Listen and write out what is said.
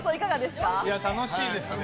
楽しいですね！